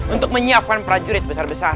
untuk menyiapkan prajurit besar besar